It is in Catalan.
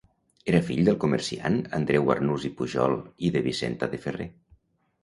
Era fill del comerciant Andreu Arnús i Pujol i de Vicenta de Ferrer.